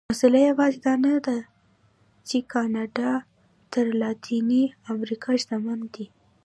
مسئله یوازې دا نه ده چې کاناډا تر لاتینې امریکا شتمن دي.